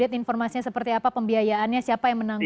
udat informasinya seperti apa pembiayaannya siapa yang menanggung pak